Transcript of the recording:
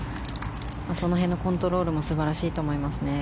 その辺のコントロールも素晴らしいと思いますね。